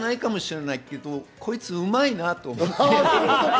こいつうまいなと思いました。